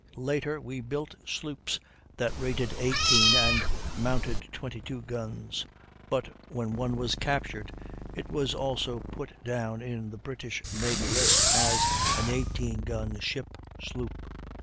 Later we built sloops that rated 18 and mounted 22 guns, but when one was captured it was also put down in the British navy list as an 18 gun ship sloop.